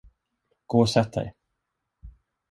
Gå och sätt dig!